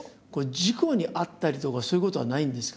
事故に遭ったりとかそういうことはないんですか？